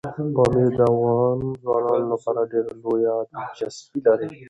پامیر د افغان ځوانانو لپاره ډېره لویه دلچسپي لري.